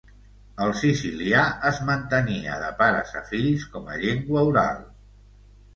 El sicilià es mantenia de pares a fills com a llengua oral.